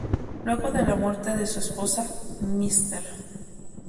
Luego de la muerte de su esposa, Mr.